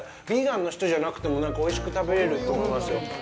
ビーガンの人じゃなくても、なんか、おいしく食べられると思いますよ。